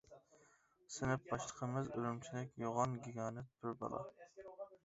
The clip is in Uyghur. سىنىپ باشلىقىمىز ئۈرۈمچىلىك يوغان گىگانت بىر بالا.